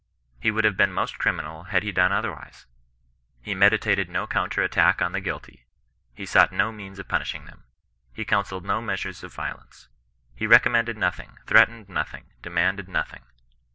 He would have been most criminal had he done other wise. He meditated no counter attack on the guilty. He sought no means of punishing them. He counselled no measures of violence. He recommended nothing, threatened nothing, demanded notliing.